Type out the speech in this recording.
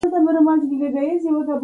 هغه متعصب او تنګ نظر وو.